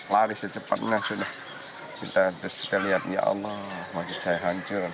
lari secepatnya sudah kita bisa lihat ya allah wajah saya hancur